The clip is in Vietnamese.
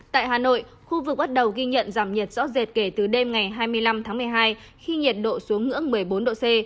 tại hà nội khu vực bắt đầu ghi nhận giảm nhiệt rõ rệt kể từ đêm ngày hai mươi năm tháng một mươi hai khi nhiệt độ xuống ngưỡng một mươi bốn độ c